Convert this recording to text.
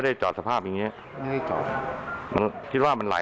ติดตรงนี้แหละ